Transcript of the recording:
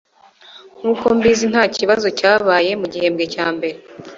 Nkuko mbizi ntakibazo cyabaye mugihembwe cya mbere